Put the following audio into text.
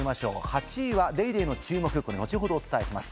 ８位は『ＤａｙＤａｙ．』の注目、後ほどお伝えします。